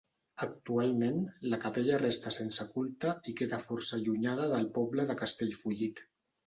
Actualment la capella resta sense culte i queda força allunyada del poble de Castellfollit.